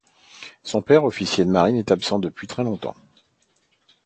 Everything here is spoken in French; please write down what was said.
Son père, officier de marine, est absent depuis très longtemps.